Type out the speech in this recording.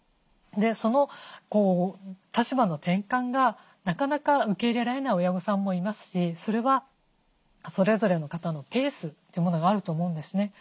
その立場の転換がなかなか受け入れられない親御さんもいますしそれはそれぞれの方のペースというものがあると思うんですね。